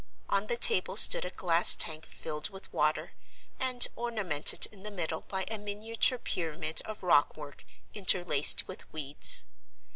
On the table stood a glass tank filled with water, and ornamented in the middle by a miniature pyramid of rock work interlaced with weeds.